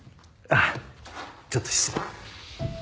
あっちょっと失礼。